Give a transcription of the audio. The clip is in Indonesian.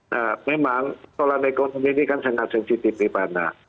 nah memang persoalan ekonomi ini kan sangat sensitif ripana